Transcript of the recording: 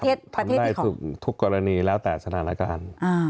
ได้ทุกกรณีแล้วแต่สถานการณ์